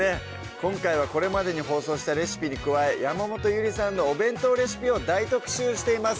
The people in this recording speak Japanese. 今回はこれまでに放送したレシピに加え山本ゆりさんのお弁当レシピを大特集しています